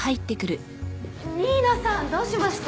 新名さんどうしました？